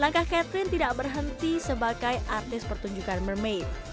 langkah catherine tidak berhenti sebagai artis pertunjukan mermaid